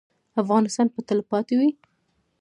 افغانستان به تلپاتې وي؟